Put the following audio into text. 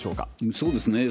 そうですね。